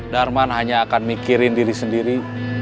darman hanya akan mikirin diri sendiri